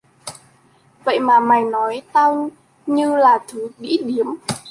vậy mà mày nói tao như là thứ đĩ điếm